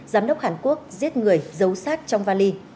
giám đốc hàn quốc giết người giấu sát trong vali